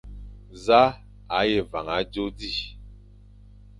Za a ye van adzo di ?